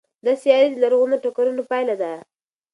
دا سیارې د لرغونو ټکرونو پایله ده.